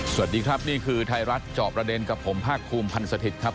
สวัสดีครับนี่คือไทยรัฐจอบประเด็นกับผมภาคภูมิพันธ์สถิตย์ครับ